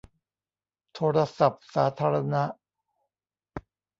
โทรศัพท์สาธารณะ